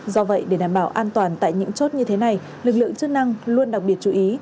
do vậy để đảm bảo an toàn tại những chốt như thế này lực lượng chức năng luôn đặc biệt chú ý